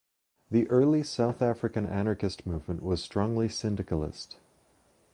The early South African anarchist movement was strongly syndicalist.